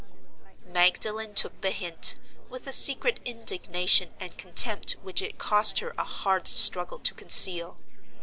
Magdalen took the hint, with a secret indignation and contempt which it cost her a hard struggle to conceal.